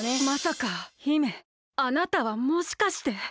まさか姫あなたはもしかして。